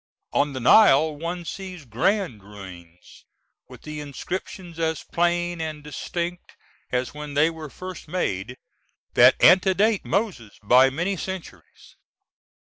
On the Nile one sees grand ruins, with the inscriptions as plain and distinct as when they were first made, that antedate Moses by many centuries.